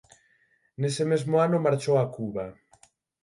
Nese mesmo ano marchou a Cuba.